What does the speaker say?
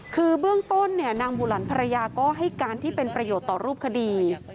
คือเบื้องต้นนางบุหลันภรรยาก็ให้การที่เป็นประโยชน์ต่อรูปคดี